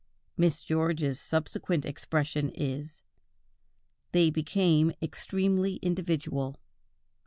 Miss George's subsequent expression is: "They became extremely individual."